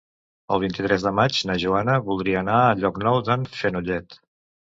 El vint-i-tres de maig na Joana voldria anar a Llocnou d'en Fenollet.